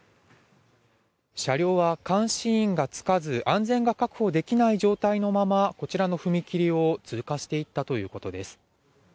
車両は監視員がつかず安全が確保できない状態のままこちらの踏切を通過していったということです。